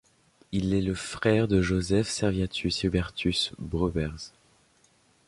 Il est le frère de Joseph Servatius Hubertus Brouwers.